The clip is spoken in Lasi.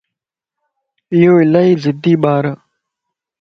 ايو الائي ضدي ٻارَ